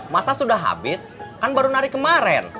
masa sudah habis kan baru nari kemarin